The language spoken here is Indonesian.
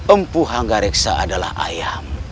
empu hangga reksa adalah ayam